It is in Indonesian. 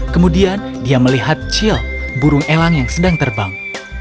kemudian dia melihat cil burung elang yang sedang terbang